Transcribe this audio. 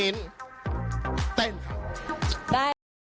เต้นค่ะ